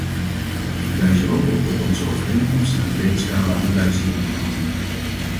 Ik wijs er ook op dat onze overeenkomsten een breed scala aan beleidsdoelen bevatten.